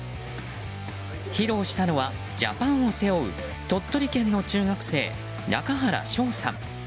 披露したのは、ジャパンを背負う鳥取県の中学生・中原翔さん。